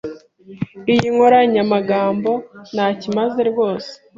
Iyi nkoranyamagambo ntacyo imaze rwose.